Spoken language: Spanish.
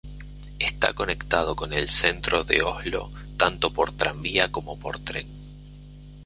Está conectado con el centro de Oslo tanto por tranvía como por tren.